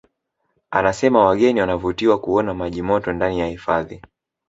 Anasema wageni wanavutiwa kuona maji moto ndani ya hifadhi